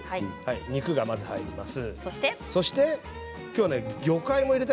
肉がまず入ります。